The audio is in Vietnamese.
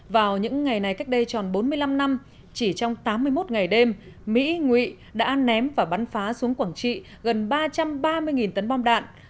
vào những ngày này cách đây tròn bốn mươi năm năm chỉ trong tám mươi một ngày đêm mỹ ngụy đã ném và bắn phá xuống quảng trị gần ba trăm ba mươi tấn bom đạn